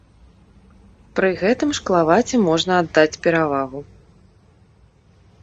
Пры гэтым шклаваце можна аддаць перавагу.